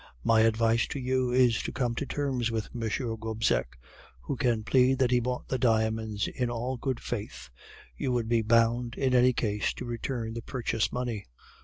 My advice to you is to come to terms with M. Gobseck, who can plead that he bought the diamonds in all good faith; you would be bound in any case to return the purchase money.